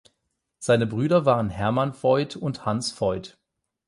Seine Brüder waren Hermann Voith und Hanns Voith.